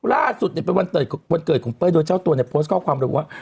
ล่าสุดเป็นวันเกิดของเป้ยโดยเจ้าตัวในโพสต์ข้อความรู้ว่า